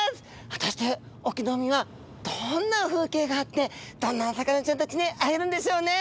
果たして隠岐の海はどんな風景があってどんなお魚ちゃんたちに会えるんでしょうね？